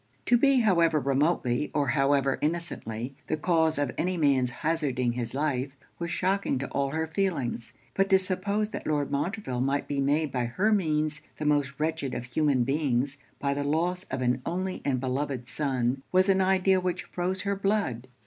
To be, however remotely, or however innocently, the cause of any man's hazarding his life, was shocking to all her feelings. But to suppose that Lord Montreville might be made by her means the most wretched of human beings, by the loss of an only and beloved son, was an idea which froze her blood.